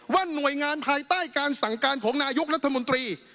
ว่าหน่วยงานภายใต้การสั่งการของนายกรัฐมนตรี